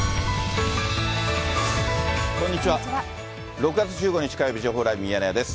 ６月１５日火曜日、情報ライブミヤネ屋です。